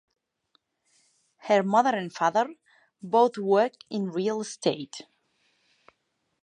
Her mother and father both work in real estate.